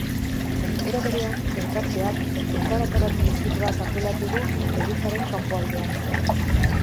Era berean, elkarteak elkarretaratze isil bat antolatu du elizaren kanpoaldean.